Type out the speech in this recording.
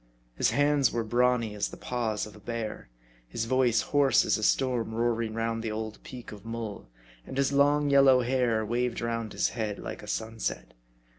His hands were brawny as the paws of a bear ; his voice hoarse as a storm roaring round the old peak of Mull ; and his long yellow hair waved round his head like a sunset.